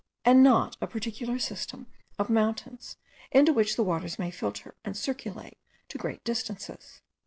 and not a particular system of mountains, into which the waters may filter, and circulate to great distances.